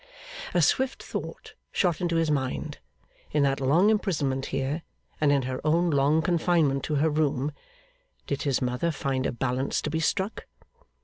A swift thought shot into his mind. In that long imprisonment here, and in her own long confinement to her room, did his mother find a balance to be struck?